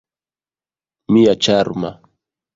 Mia ĉarma!